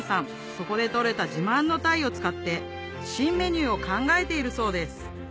そこで捕れた自慢の鯛を使って新メニューを考えているそうです